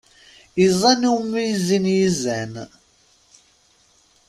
Iẓẓan umi i zzin yizan.